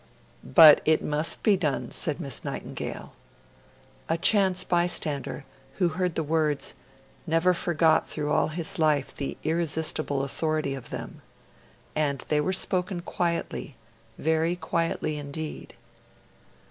'But it must be done,' said Miss Nightingale. A chance bystander, who heard the words, never forgot through all his life the irresistible authority of them. And they were spoken quietly very quietly indeed.